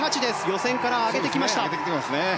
予選から上げてきました。